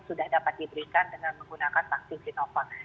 sudah dapat diberikan dengan menggunakan vaksin sinovac